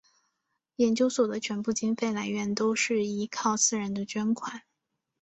研究所的全部经费来源都是依靠私人的捐款。